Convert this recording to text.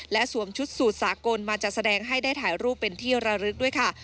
และสวมชุดสูตรสากลมาจัดแสดงให้ได้ถ่ายรูปเป็นที่ระลึกด้วยค่ะ